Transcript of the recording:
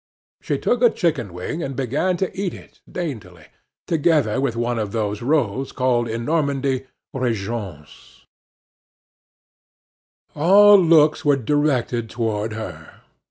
She took a chicken wing, and began to eat it daintily, together with one of those rolls called in Normandy "Regence." All looks were directed toward her.